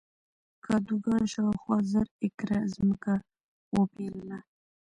کادوګان شاوخوا زر ایکره ځمکه وپېرله.